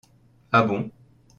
Ah bon ?